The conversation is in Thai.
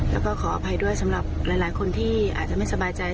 แล้วก็ขออภัยด้วยสำหรับหลายคนที่อาจจะไม่สบายใจ